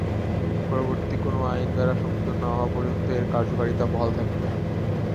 পরবর্তী কোনো আইন দ্বারা সংশোধন না হওয়া পর্যন্ত এর কার্যকারিতা বহাল থাকবে।